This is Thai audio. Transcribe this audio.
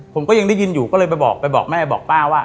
ผมก็ยังได้ยินอยู่ก็เลยไปบอกไปบอกแม่บอกป้าว่า